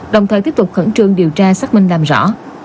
đồng thời tiếp tục khẩn trương điều tra xác minh làm rõ